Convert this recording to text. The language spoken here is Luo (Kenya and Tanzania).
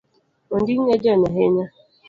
Ondingi ojony ahinya?